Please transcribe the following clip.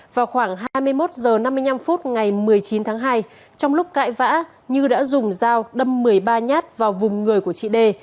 vào khoảng hai mươi một h năm mươi năm phút ngày một mươi chín tháng hai trong lúc cãi vã như đã dùng dao đâm một mươi ba nhát vào vùng người của chị đê